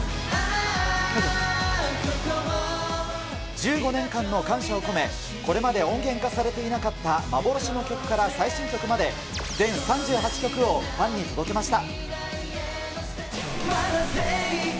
１５年間の感謝を込め、これまで音源化されていなかった幻の曲から最新曲まで、全３８曲をファンに届けました。